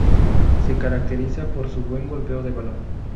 Se caracteriza por su buen golpeo de balón.